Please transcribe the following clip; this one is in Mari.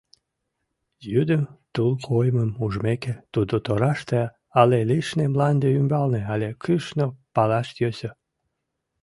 Йӱдым тул коймым ужмеке, тудо тораште але лишне, мланде ӱмбалне але кӱшнӧ — палаш йӧсӧ.